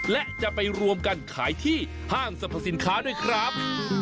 และจะไปรวมกันขายที่ห้างสรรพสินค้าด้วยครับ